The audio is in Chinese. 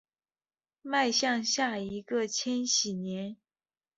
迈向下一个千禧年